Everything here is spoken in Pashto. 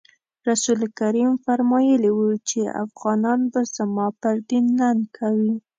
رسول کریم فرمایلي وو چې افغانان به زما پر دین ننګ کوي.